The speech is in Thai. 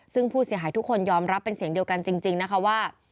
ซึ่งผู้เสียหายทุกคนยอมรับเป็นเสียงเดียวกันจริงนะคะว่า